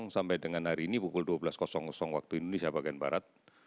sampai dengan hari ini pukul dua belas waktu indonesia bagian barat